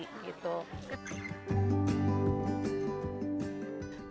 kepala pengacara cornelia agata